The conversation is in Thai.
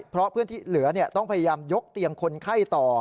เพราะเพื่อนที่เหลือต้องพยายามยกเตียงคนไข้ต่อ